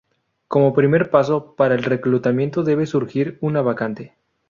Como primer paso para el reclutamiento debe surgir una vacante.